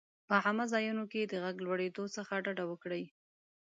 په عامه ځایونو کې د غږ لوړېدو څخه ډډه وکړه.